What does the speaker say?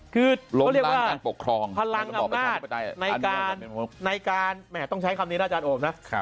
คือพลังอำนาจในการต้องใช้คำนี้นะอาจารย์โอบนะ